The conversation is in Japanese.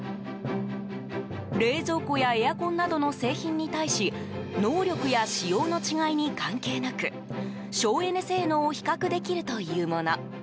冷蔵庫やエアコンなどの製品に対し能力や仕様の違いに関係なく省エネ性能を比較できるというもの。